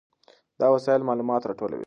دا وسایل معلومات راټولوي.